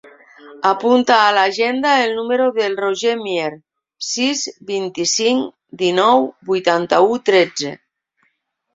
Apunta a l'agenda el número del Roger Mier: sis, vint-i-cinc, dinou, vuitanta-u, tretze.